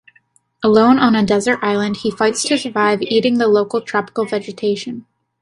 Alone on a desert island, he fights to survive, eating the local, tropical vegetation.